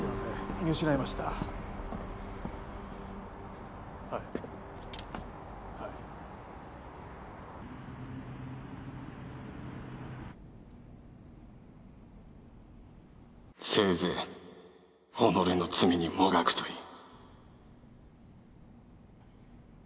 見失いましたはいはいせいぜい己の罪にもがくといい